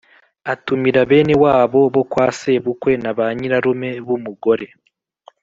atumira bene wabo bo kwa sebukwe na ba nyirarume b' umugore